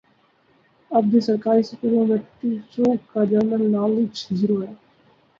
اب بھی سرکاری سکولوں میں ٹیچروں کا جنرل نالج زیرو ہے